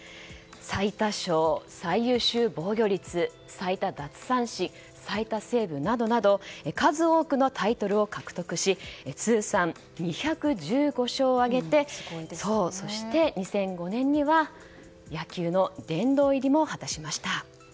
最多勝、最優秀防御率最多奪三振、最多セーブなどなど数多くのタイトルを獲得し通算２１５勝を挙げ２００５年には野球の殿堂入りも果たしました。